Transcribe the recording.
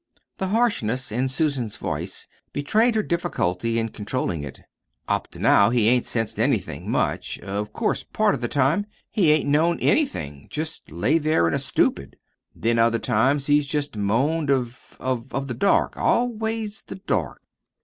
The harshness in Susan's voice betrayed her difficulty in controlling it. "Up to now he hain't sensed anything, much. Of course, part of the time he hain't known ANYTHING jest lay there in a stupid. Then, other times he's jest moaned of of the dark always the dark.